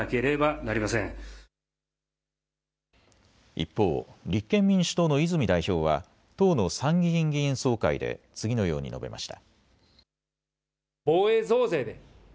一方、立憲民主党の泉代表は党の参議院議員総会で次のように述べました。